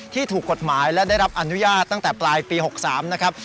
ถูกกฎหมายและได้รับอนุญาตตั้งแต่ปลายปี๖๓นะครับ